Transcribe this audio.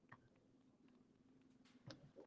Chol yig‘lab yubordi